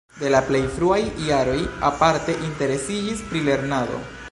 De la plej fruaj jaroj aparte interesiĝis pri lernado.